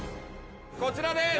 こちらです。